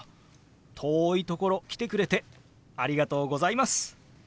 遠いところ来てくれてありがとうございます。